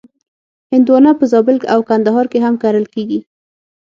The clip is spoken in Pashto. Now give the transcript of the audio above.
هندوانه په زابل او کندهار کې هم کرل کېږي.